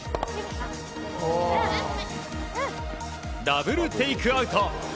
ダブルテイクアウト！